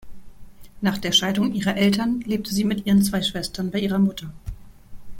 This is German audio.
Nach der Scheidung ihrer Eltern lebte sie mit ihren zwei Schwestern bei ihrer Mutter.